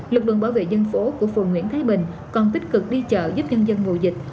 lực lượng bảo vệ dân phố của phường nguyễn thái bình còn tích cực đi chợ giúp nhân dân ngồi dịch